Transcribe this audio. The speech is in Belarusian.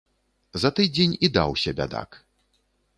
За тыдзень і даўся, бядак.